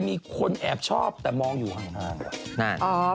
มีคนแอบชอบแต่มองอยู่ห่างนั่น